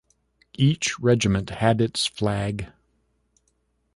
Each regiment had its flag.